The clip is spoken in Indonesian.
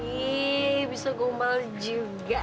ih bisa gombal juga